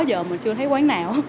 giờ mình chưa thấy quán nào